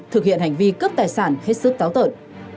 thực hiện hành vi cướp tài sản hết sức táo tợn